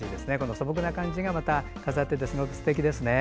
素朴な感じが飾っててすごくすてきですね。